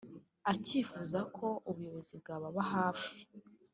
akifuza ko ubuyobozi bwababa hafi